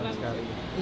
setiap bulan sekali